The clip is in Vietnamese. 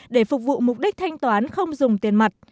để phục vụ mục đích thanh toán không dùng tiền mặt